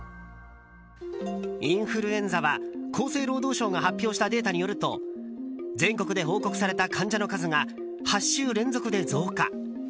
インフルエンザは厚生労働省が発表したデータによると全国で報告された患者の数が８週連続で増加。